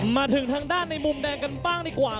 มาถึงทางด้านในมุมแดงกันบ้างดีกว่า